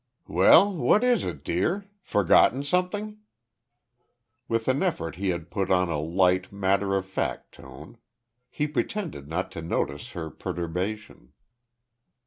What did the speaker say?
"Well? What is it, dear? Forgotten something?" With an effort he had put on a light, matter of fact tone. He pretended not to notice her perturbation.